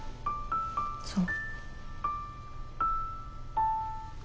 そう。